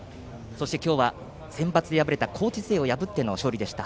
今日はセンバツで敗れた高知勢を破っての勝利でした。